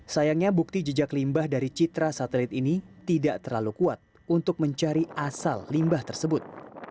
sayangnya bukti jejak limbah dari citra satelit ini tidak terlalu kuat untuk mencari asal limbah tersebut